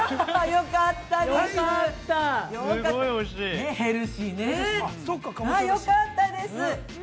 よかったです。